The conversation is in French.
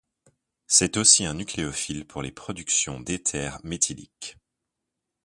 C'est aussi un nucléophile pour la production d'éthers méthyliques.